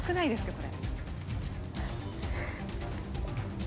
これ」